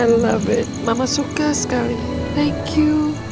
i love it mama suka sekali thank you